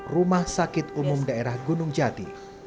rumah sakit umum daerah gunung jati